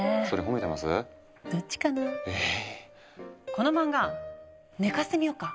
この漫画寝かしてみようか？